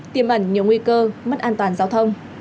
tiêm ẩn nhiều nguy cơ mất an toàn giao thông